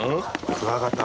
クワガタ。